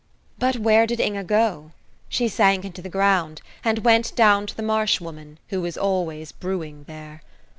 But where did Inge go? She sank into the ground, and went down to the Marsh Woman, who is always brewing there.